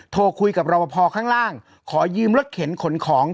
โทรคุยกับรอปภข้างล่างขอยืมรถเข็นขนของ